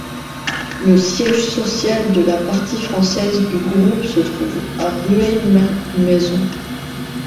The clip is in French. Le siège social de la partie française du groupe se trouve à Rueil-Malmaison.